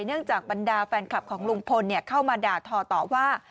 จากบรรดาแฟนคลับของลุงพลเข้ามาด่าทอต่อว่า